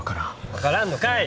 分からんのかい！